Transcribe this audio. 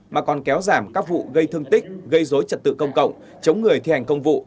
mà còn kéo giảm các vụ gây thương tích gây dối trật tự công cộng chống người thi hành công vụ